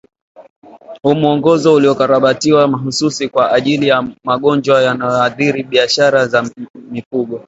Hmwongozo uliokarabatiwa mahsusi kwa ajili ya magonjwa yanayoathiri biashara za mifugo